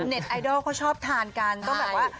ไอดอลเขาชอบทานกันต้องแบบว่า